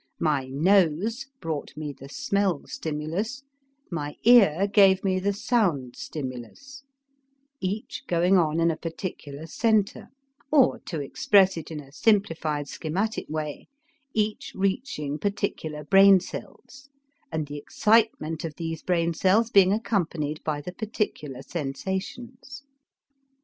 My nose brought me the smell stimulus, my ear gave me the sound stimulus, each going on in a particular center, or, to express it in a simplified schematic way, each reaching particular brain cells, and the excitement of these brain cells being accompanied by the particular sensations.